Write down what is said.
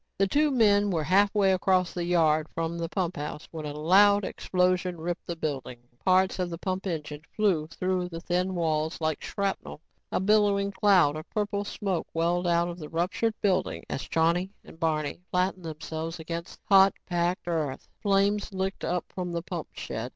The two men were halfway across the yard from the pumphouse when a loud explosion ripped the building. Parts of the pump engine flew through the thin walls like shrapnel. A billowing cloud of purple smoke welled out of the ruptured building as Johnny and Barney flattened themselves against the hot, packed earth. Flames licked up from the pump shed.